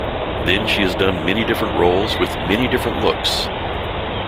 Then she has done many different roles with many different looks.